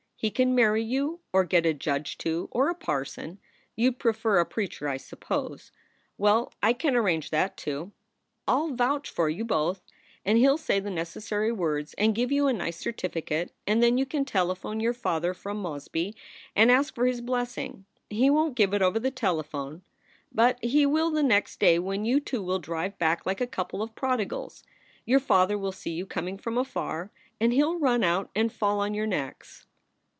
He can marry you or get a judge to, or a parson. You d prefer a preacher, I suppose. Well, I can arrange that, too. I ll vouch for you both, and he ll say the neces sary words and give you a nice certificate, and then you can telephone your father from Mosby and ask for his blessing. He won t give it over the telephone, but he will the next day when you two will drive back like a couple of prodigals. Your father will see you coming from afar, and he ll run out and fall on your necks.